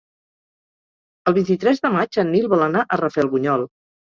El vint-i-tres de maig en Nil vol anar a Rafelbunyol.